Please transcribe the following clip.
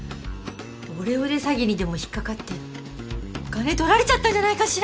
オレオレ詐欺にでも引っ掛かってお金取られちゃったんじゃないかしら！？